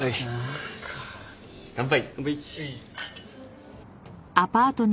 乾杯。